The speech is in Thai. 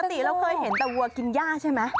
ปกติเราเคยเห็นแต่วัวกินย่าใช่ไหม